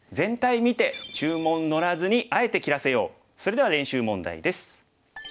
それでは練習問題です。